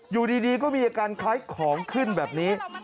อยู่ดีก็มีอาการคล้ายของขึ้นแบบนี้